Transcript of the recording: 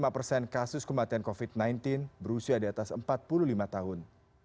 lima persen kasus kematian covid sembilan belas berusia di atas empat puluh lima tahun